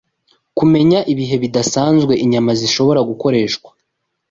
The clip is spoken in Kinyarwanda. Kumenya Ibihe Bidasanzwe Inyama Zishobora Gukoreshwa